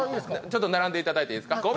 ちょっと並んでいただいていいですか？